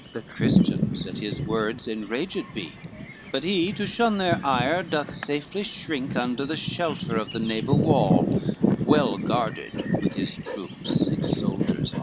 The Christians at his words enraged be, But he to shun their ire doth safely shrink Under the shelter of the neighbor wall, Well guarded with his troops and soldiers all.